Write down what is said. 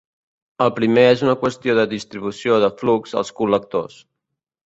El primer és una qüestió de distribució de flux als col·lectors.